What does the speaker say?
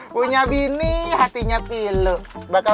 punya bini hatinya pilu bakal